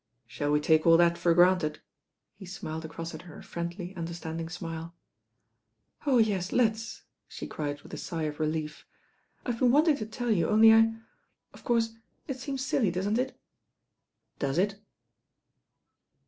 "Shall we take all that for granted?" He smiled across at her a friendly, understanding smile. "Oh yes, let's," she cried with a sigh of relief; "I have been wanting to tell you only I Of course, it seems silly, doesn't it?" "Does it?"